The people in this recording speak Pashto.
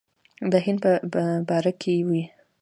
د هند په باره کې وې.